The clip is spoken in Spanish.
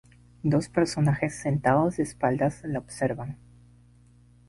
Dos personajes, sentados de espaldas, la observan.